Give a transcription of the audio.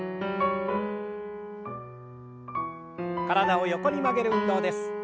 体を横に曲げる運動です。